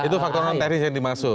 itu faktor non teknis yang dimaksud